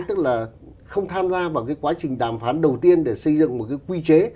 tức là không tham gia vào cái quá trình đàm phán đầu tiên để xây dựng một cái quy chế